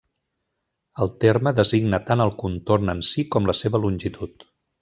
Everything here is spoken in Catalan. El terme designa tant el contorn en si com la seva longitud.